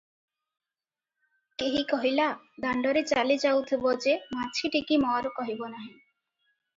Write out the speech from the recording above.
କେହି କହିଲା – ଦାଣ୍ଡରେ ଚାଲି ଯାଉଥିବ ଯେ ମାଛିଟିକି ମର କହିବ ନାହିଁ।